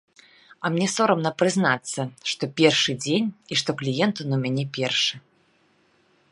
А мне сорамна прызнацца, што першы дзень, і што кліент ён у мяне першы.